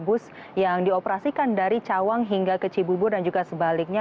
bus yang dioperasikan dari cawang hingga ke cibubur dan juga sebaliknya